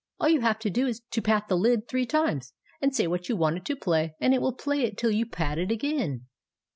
All you have to do is to pat the lid three times, and say what you want it to play, and it will play it till you pat it again."